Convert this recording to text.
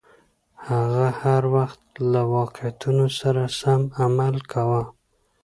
هغه هر وخت له واقعیتونو سره سم عمل کاوه.